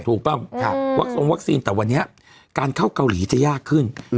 ถูกเปล่าค่ะวัคซีนแต่วันนี้อ่ะการเข้าเกาหลีจะยากขึ้นอืม